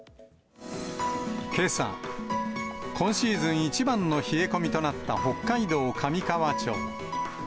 けさ、今シーズン一番の冷え込みとなった北海道上川町。